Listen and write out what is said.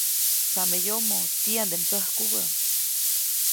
Tsameyomoʼ ¿tiyande mdsäjkubä?